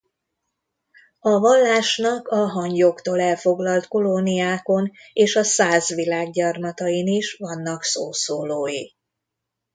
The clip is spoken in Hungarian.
A vallásnak a Hangyoktól elfoglalt kolóniákon és a Száz Világ gyarmatain is vannak szószólói.